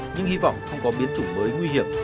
nhưng hy vọng không có biến chủng mới nguy hiểm